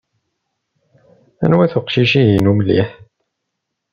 Anwa-t uqcic-ihin umliḥ?